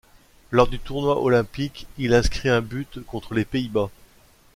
Lors du tournoi olympique, il inscrit un but contre les Pays-Bas.